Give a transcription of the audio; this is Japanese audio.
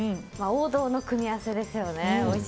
王道の組み合わせですよね。